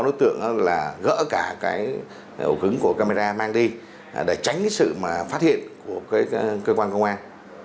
và gỡ cả cái ổ cứng của camera mang đi để tránh sự phát hiện của cơ quan công an